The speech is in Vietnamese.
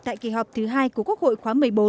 tại kỳ họp thứ hai của quốc hội khóa một mươi bốn